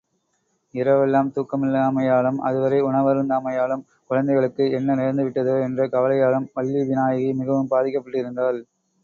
இரவெல்லாம் தூக்கமில்லாமையாலும், அதுவரை உணவருந்தாமையாலும், குழந்தைகளுக்கு என்ன நேர்ந்து விட்டதோ என்ற கவலையாலும் வள்ளிவிநாயகி மிகவும் பாதிக்கப்பட்டிருந்தாள்.